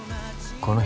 この日